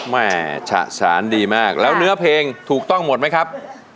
แม่ฉะสานดีมากแล้วเนื้อเพลงถูกต้องหมดไหมครับ